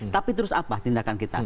tapi terus apa tindakan kita